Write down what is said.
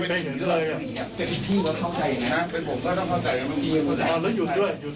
พี่ว่าเขาไม่น่าให้ข้าพูดอ่ะ